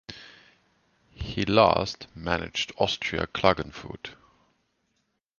He last managed Austria Klagenfurt.